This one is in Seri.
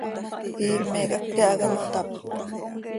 ¿Iime quih háqui hac ano tap?